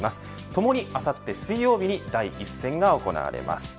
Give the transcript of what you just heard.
ともにあさって水曜日に第１戦が行われます。